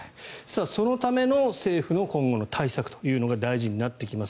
そのための政府の今後の対策というのが大事になってきます。